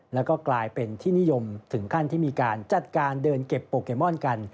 แล้วก็กลายเป็นที่นิยมถึงขั้นที่มีการจัดการเดินเก็บโปเกมอนกัน